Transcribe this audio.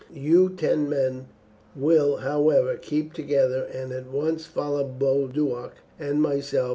You ten men will, however, keep together, and at once follow Boduoc and myself.